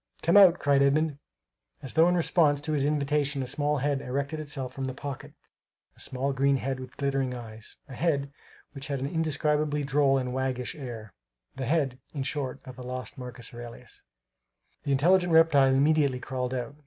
"Come out!" cried Edmund. As though in response to his invitation a small head erected itself from the pocket, a small green head with glittering eyes, a head which had an indescribably droll and Waggish air the head, in short, of the lost Marcus Aurelius. The intelligent reptile immediately crawled out.